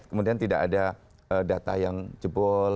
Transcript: kemudian tidak ada data yang jebol